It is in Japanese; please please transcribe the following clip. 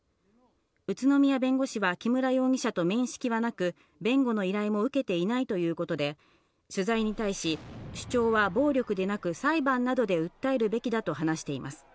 宇都宮弁護士は木村容疑者と面識はなく、弁護の依頼も受けていないということで、取材に対し、主張は暴力ではなく裁判などで訴えるべきだと話しています。